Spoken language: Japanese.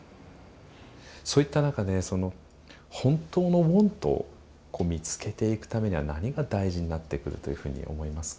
そういった中でその本当の「ｗａｎｔ」を見つけていくためには何が大事になってくるというふうに思いますか？